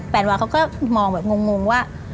แปลวาเขาก็มองแบบงงว่า